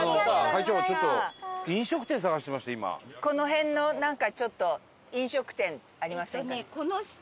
この辺のちょっと飲食店ありませんか？